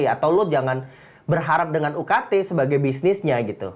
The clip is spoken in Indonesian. atau lo jangan berharap dengan ukt sebagai bisnisnya gitu